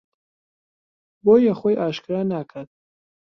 بۆیە خۆی ئاشکرا ناکات